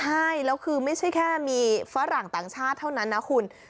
ใช่แล้วคือไม่ใช่แค่มีฝรั่งต่างชาติเท่านั้นนะคุณ